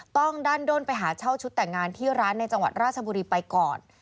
ดั้นด้นไปหาเช่าชุดแต่งงานที่ร้านในจังหวัดราชบุรีไปก่อน